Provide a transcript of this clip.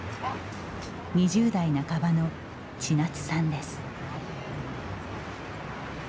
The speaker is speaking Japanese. ２０代半ばの千夏さんです。